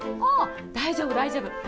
ああ、大丈夫、大丈夫。